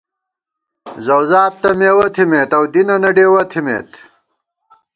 زؤزات تہ مېوَہ تھِمېت اؤ دینَنہ ڈېوَہ تھِمېت